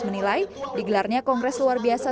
menilai digelarnya kongres luar biasa